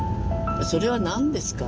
それは何ですか？